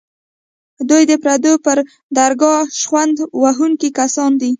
دوی د پردو پر درګاه شخوند وهونکي کسان دي.